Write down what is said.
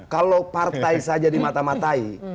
kalau partai saja dimata matai